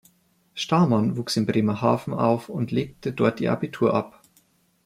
Stahmann wuchs in Bremerhaven auf und legte dort ihr Abitur ab.